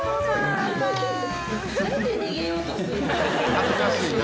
恥ずかしいな。